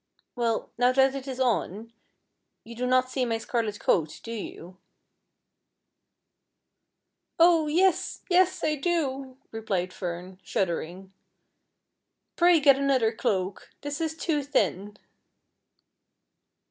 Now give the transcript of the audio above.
Well, now that it is on, you do not see my scarlet coat, do you t" " Oh ! yes, yes, I do," replied Fern, shuddering, "pray get another cloak, this is too thin."